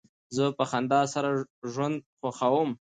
زه په خندا سره ژوند خوښوم.